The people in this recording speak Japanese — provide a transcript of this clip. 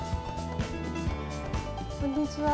こんにちは。